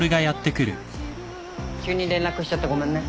急に連絡しちゃってごめんね。